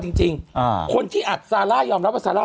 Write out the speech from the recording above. ยูคิดอะไรของยูอยู่อ่ะ